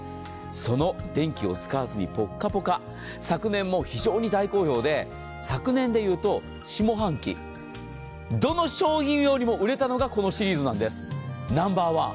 その電気を使わずにぽっかぽか、昨年も非常に大好評で昨年でいうと下半期、どの商品よりも売れたのがこのシリーズなんです、ナンバーワン。